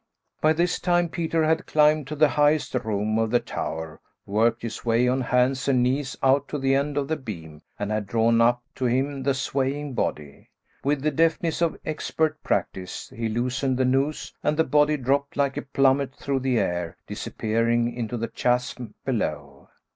By this time Peter had climbed to the highest room of the tower, worked his way on hands and knees out to the end of the beam, and had drawn up to him the swaying body. With the deftness of expert practice, he loosened the noose and the body dropped like a plummet through the air, disappearing into the chasm below.